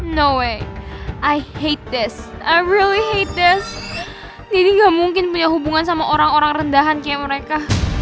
no way i hate this i really hate this daddy gak mungkin punya hubungan sama orang orang rendahan kayak mereka